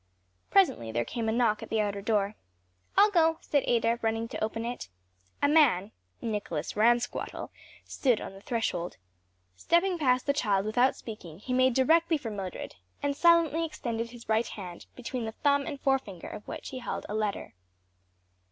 Presently there came a knock at the outer door. "I'll go," said Ada, running to open it. A man, Nicholas Ransquattle, stood on the threshold. Stepping past the child without speaking, he made directly for Mildred, and silently extended his right hand, between the thumb and forefinger of which he held a letter.